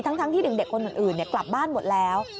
ทั้งที่เด็กคนอื่นกลับบ้านหมดแล้ว